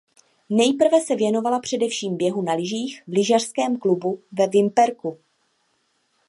Nejprve se věnovala především běhu na lyžích v lyžařském klubu ve Vimperku.